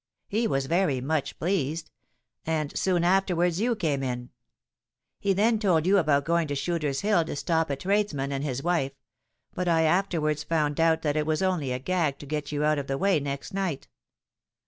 He was very much pleased; and soon afterwards you came in. He then told you about going to Shooter's Hill to stop a tradesman and his wife; but I afterwards found out that it was only a gag to get you out of the way next night."